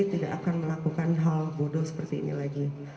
tidak akan melakukan hal bodoh seperti ini lagi